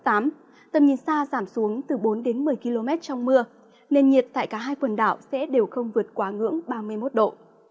tầm nhìn xa giảm xuống từ bốn đến một mươi km trong mưa nền nhiệt tại cả hai quần đảo sẽ đều không vượt quá ngưỡng ba mươi một độ